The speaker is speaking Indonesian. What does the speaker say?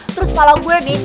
terus kepala gue nih